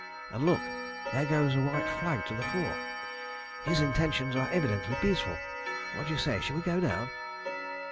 And look: there goes a white flag to the fore. His intentions are evidently peaceful. What do you say, shall we go down?"